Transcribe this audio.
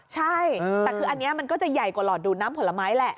ใช่แต่คืออันนี้มันก็จะใหญ่กว่าหลอดดูดน้ำผลไม้แหละ